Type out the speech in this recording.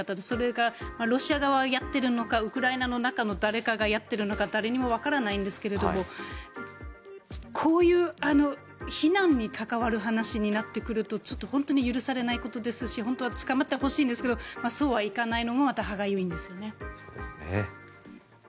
それがロシア側がやっているのかウクライナの中の誰かがやっているのか誰にもわからないんですがこういう避難に関わる話になってくるとちょっと本当に許されないことですし本当は捕まってほしいんですがそうはいかないのがまた、はがゆいんですよね。